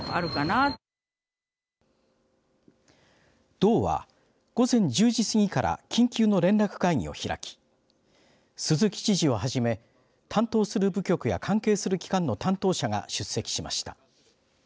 道は午前１０時過ぎから緊急の連絡会議を開き鈴木知事をはじめ担当する部局や関係する機関の担当者が出席しました。